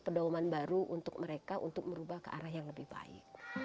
pedoman baru untuk mereka untuk merubah ke arah yang lebih baik